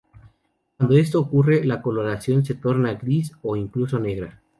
Cuando esto ocurre, la coloración se torna gris o incluso negra.